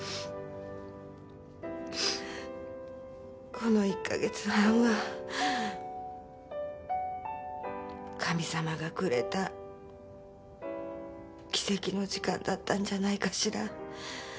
この１カ月半は神様がくれた奇跡の時間だったんじゃないかしら？